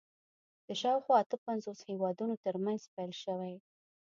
د شاوخوا اته پنځوس هېوادونو تر منځ پیل شوي